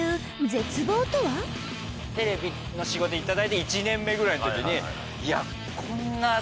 テレビの仕事いただいて１年目くらいのときに。